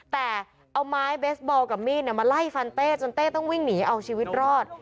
แต่เอาไม้เบสบอลกับมีดมาไล่ฟันเต้จนเต้ต้องวิ่งหนีเอาชีวิตรอด